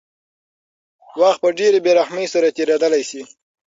وخت په ډېرې بېرحمۍ سره تېرېدلی شي.